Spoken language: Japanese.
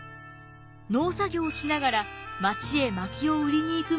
農作業をしながら町へまきを売りに行く毎日が始まります。